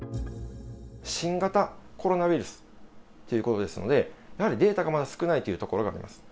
新型コロナウイルスということですので、やはりデータがまだ少ないというところがあります。